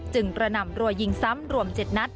จึงประนำรัวยิงซ้ำรวม๗นัด